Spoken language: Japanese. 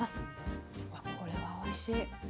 あっこれはおいしい。